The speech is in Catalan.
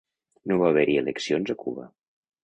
No va haver-hi eleccions a Cuba.